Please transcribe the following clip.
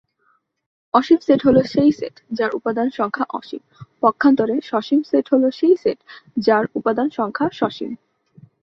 অসীম set হল সেই set যার উপাদান সংখ্যা অসীম, পক্ষান্তরে সসীম সেট হল সেই সেট যার উপাদান সংখ্যা সসীম।